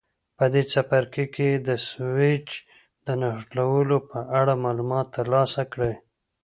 په دې څپرکي کې د سویچ د نښلولو په اړه معلومات ترلاسه کړئ.